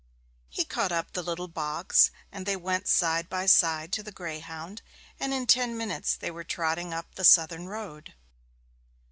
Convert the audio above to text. He caught up the little box, and they went side by side to the Greyhound; and in ten minutes they were trotting up the Southern Road.